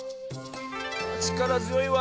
ちからづよいわ。